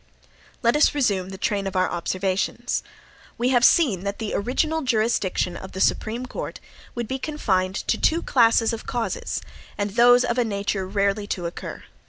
Let us resume the train of our observations. We have seen that the original jurisdiction of the Supreme Court would be confined to two classes of causes, and those of a nature rarely to occur.